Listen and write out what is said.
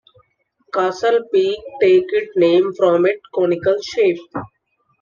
Castle Peak takes it name from its conical shape.